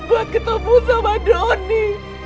buat ketemu sama doni